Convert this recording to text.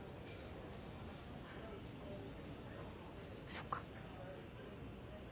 そっか。